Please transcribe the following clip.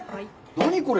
何これ。